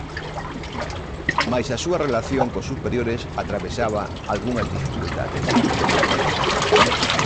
Mais a súa relación cos superiores atravesaba algunhas dificultades.